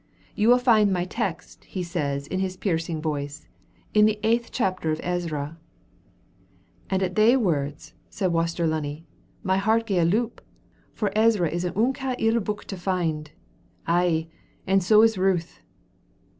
'You will find my text,' he says, in his piercing voice, 'in the eighth chapter of Ezra.'" "And at thae words," said Waster Lunny, "my heart gae a loup, for Ezra is an unca ill book to find; ay, and so is Ruth."